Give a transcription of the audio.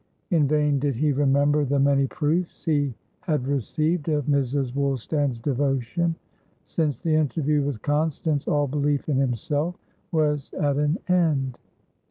In vain did he remember the many proofs he had received of Mrs. Woolstan's devotion; since the interview with Constance, all belief in himself was at an end.